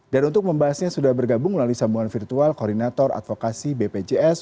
dan untuk membahasnya sudah bergabung melalui sambungan virtual koordinator advokasi bpjs